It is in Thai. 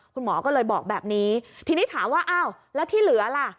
คุณหมอก็เลยบอกแบบนี้ทีนี้ถามว่าอ้าวแล้วที่เหลือล่ะ